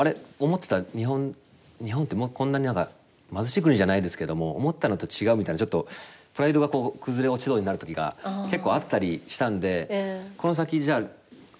思ってた日本ってこんなに何か貧しい国じゃないですけども思ったのと違うみたいなちょっとプライドが崩れ落ちそうになる時が結構あったりしたんでこの先じゃあ